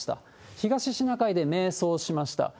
東シナ海で迷走しました。